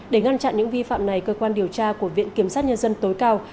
để ngăn chặn những vi phạm này cơ quan điều tra của viện kiểm sát nhân dân tối cao